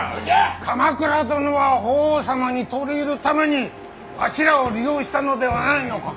鎌倉殿は法皇様に取り入るためにわしらを利用したのではないのか。